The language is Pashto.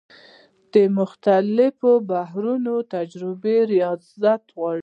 د مختلفو بحرونو تجربې ریاضت غواړي.